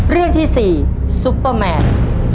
เรื่องที่๔ซุปเปอร์แมน